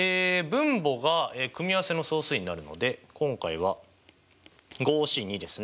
分母が組合せの総数になるので今回はＣですね。